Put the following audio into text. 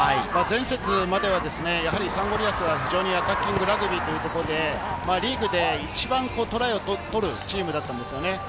前節まではサンゴリアスは非常にアタッキングラグビーというところで、リーグで一番トライを取るチームだったんですよね。